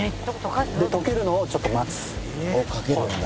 で溶けるのをちょっと待つ。